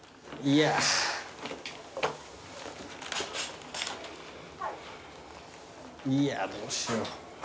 いやどうしよう。